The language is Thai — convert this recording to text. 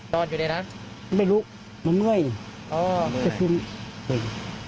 นอนอยู่ในนั้นไม่รู้มันเมื่อยอ๋อก็คือ